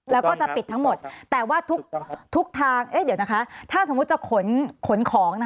แล้วก็จะปิดทั้งหมดแต่ว่าทุกทางเดี๋ยวนะคะถ้าสมมุติจะขนของ